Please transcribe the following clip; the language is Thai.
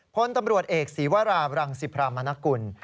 พลตำรวจเอกศีวราบรังสิพรามนกุล